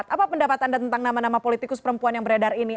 apa pendapat anda tentang nama nama politikus perempuan yang beredar ini